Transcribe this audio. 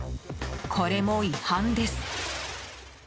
これも違反です。